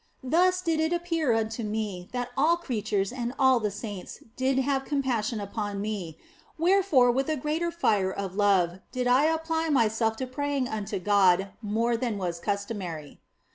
Thus did it appear unto me that all creatures and all the saints did have compassion upon me, wherefore with a greater fire of love did I apply myself to praying unto God more than was customary.